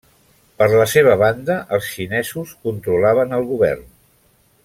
Per la seva banda, els xinesos controlaven el govern.